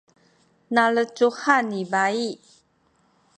nalecuhan ni bayi